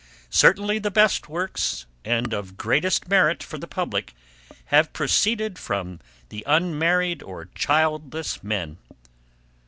Certainly the best works, and of greatest merit for the public, have proceeded from the unmarried or childless men."